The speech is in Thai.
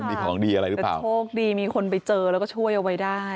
มีของดีอะไรหรือเปล่าแต่โชคดีมีคนไปเจอแล้วก็ช่วยเอาไว้ได้